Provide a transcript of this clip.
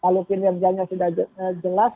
kalau kinerjanya sudah jelas